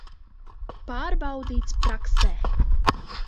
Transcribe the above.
Pārbaudīts praksē.